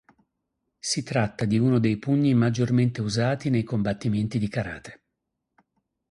Si tratta di uno dei pugni maggiormente usati nei combattimenti di karate.